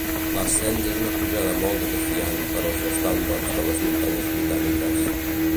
L'ascens és una pujada molt desafiant per als estàndards de les muntanyes britàniques.